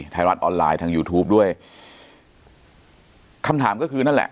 ไทยรัฐออนไลน์ทางยูทูปด้วยคำถามก็คือนั่นแหละ